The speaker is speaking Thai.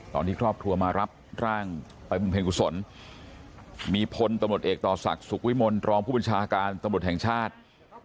ตอนนี้ครอบครัวมารับร่างไปบำเพ็ญกุศลมีพลตำรวจเอกต่อศักดิ์สุขวิมลรองผู้บัญชาการตำรวจแห่งชาติ